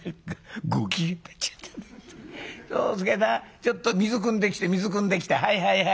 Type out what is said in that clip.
ちょっと水くんできて水くんできてはいはいはい。